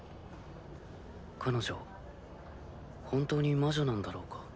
彼女本当に魔女なんだろうか？